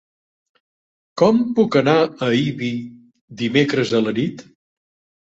Com puc anar a Ibi dimecres a la nit?